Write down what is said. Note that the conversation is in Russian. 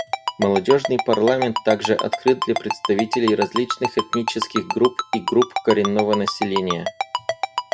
Молодежный парламент также открыт для представителей различных этнических групп и групп коренного населения.